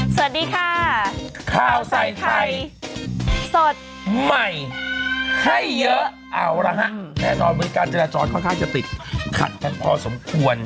สวัสดีค่ะข้าวใส่ไข่สดใหม่ให้เยอะเอาละฮะแน่นอนเมืองการจราจรค่อนข้างจะติดขัดกันพอสมควร